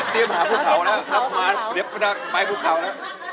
ทีมหาผู้เผ่าแล้วรับมารับไปผู้เผ่าแล้ว